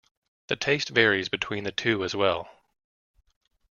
The taste varies between the two as well.